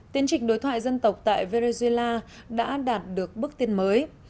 tiến trình đối thoại dân tộc tại venezuela đã đạt được bước tiến mới